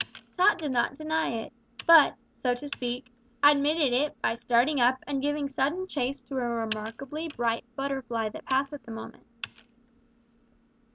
Tot did not deny it, but, so to speak, admitted it by starting up and giving sudden chase to a remarkably bright butterfly that passed at the moment.